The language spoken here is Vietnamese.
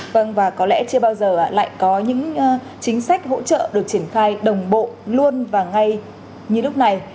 vâng và có lẽ chưa bao giờ lại có những chính sách hỗ trợ được triển khai đồng bộ luôn và ngay như lúc này